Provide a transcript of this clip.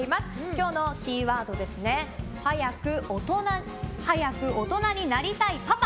今日のキーワードは「＃早く大人になりたいパパ」。